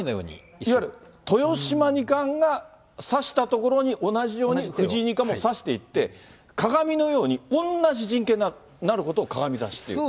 いわゆる豊島二冠が指したところに同じように藤井二冠も指していって、鏡のように、同じ陣形になることをかがみ指しっていう？